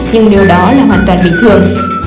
nhưng điều đó là hoàn toàn bình thường